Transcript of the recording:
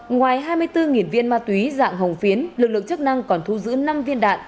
ngoài hai mươi bốn viên ma túy dạng hồng phiến lực lượng chức năng còn thu giữ năm viên đạn